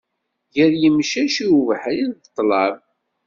Gar yemcac, i ubeḥri d ṭlam.